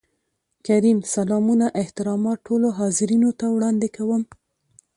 کريم : سلامونه احترامات ټولو حاضرينو ته وړاندې کوم.